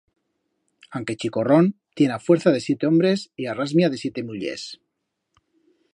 Anque chicorrón, tien a fuerza de siete hombres e a rasmia de siete mullers.